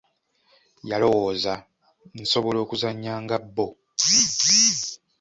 Yalowooza, nsobola okuzannya nga bbo.